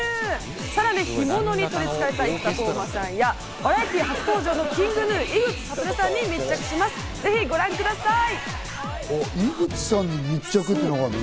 さらに干物に取り憑かれた生田斗真さんや、バラエティ初登場のＫｉｎｇＧｎｕ・井口理さんに密着します、井口さんに密着？